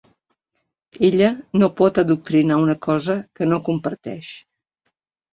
Ella no pot adoctrinar una cosa que no comparteix.